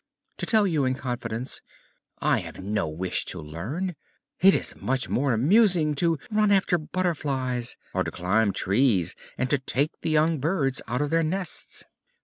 To tell you in confidence, I have no wish to learn; it is much more amusing to run after butterflies, or to climb trees and to take the young birds out of their nests."